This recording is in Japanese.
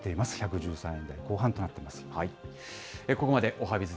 １１３円台後半となっています。